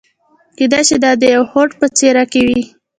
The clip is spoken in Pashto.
کېدای شي دا د يوه هوډ په څېره کې وي.